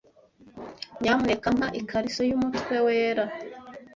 Nyamuneka mpa ikariso yumutwe wera.